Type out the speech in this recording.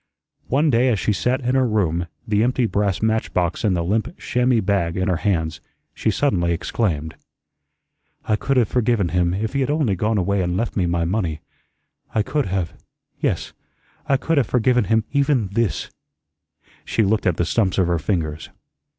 One day as she sat in her room, the empty brass match box and the limp chamois bag in her hands, she suddenly exclaimed: "I could have forgiven him if he had only gone away and left me my money. I could have yes, I could have forgiven him even THIS" she looked at the stumps of her fingers.